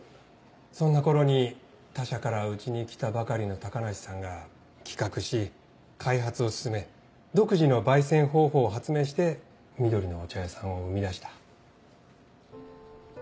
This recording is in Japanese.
そんな頃に他社からうちに来たばかりの高梨さんが企画し開発を進め独自の焙煎方法を発明して「緑のお茶屋さん」を生み出した。